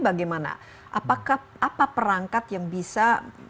bagaimana apakah apa perangkat yang bisa